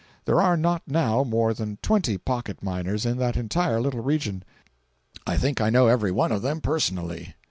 There are not now more than twenty pocket miners in that entire little region. I think I know every one of them personally.